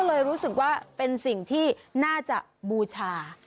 เลยรู้สึกว่าเป็นสิ่งที่น่าจะบูชา